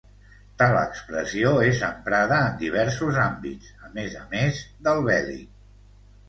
Tal expressió és emprada en diversos àmbits, a més a més del bèl·lic.